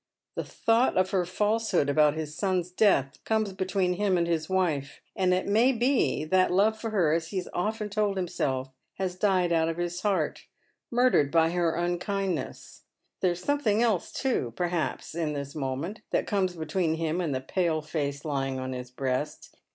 The thought of her falsehood about his son's death comes between him and his wife ; and it may be that love for her, as he has often told himself, has died out of his heart, murdered by her unkindness. There is something else too, perhaps, in this moment that comes between him and the pale face lying on his breast.